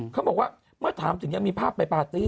เขาบอกว่าเมื่อถามถึงยังมีภาพไปปาร์ตี้